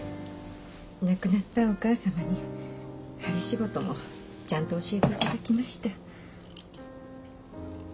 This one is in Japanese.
亡くなったお義母様に針仕事もちゃんと教えて頂きました。